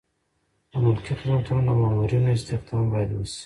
د ملکي خدمتونو د مامورینو استخدام باید وشي.